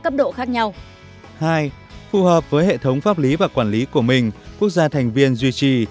hai phù hợp với hệ thống pháp lý và quản lý của mình quốc gia thành viên duy trì